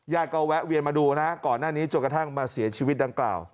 ญาติก็แวะเวียนมาดูนะก่อนหน้านี้จนกระทั่งมาเสียชีวิตดังกล่าว